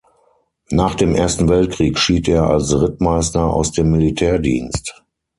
Nach dem Ersten Weltkrieg schied er als Rittmeister aus dem Militärdienst.